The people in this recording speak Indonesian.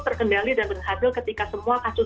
terkendali dan berhasil ketika semua kasus